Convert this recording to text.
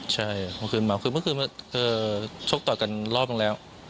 ใช่คือเมื่อคืนชกต่อยกันรอบแล้ว